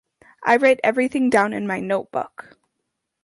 I write everything down in my notebook.